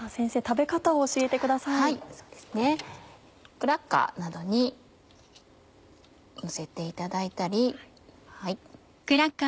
クラッカーなどにのせていただいたり。